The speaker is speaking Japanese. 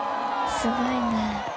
すごいな。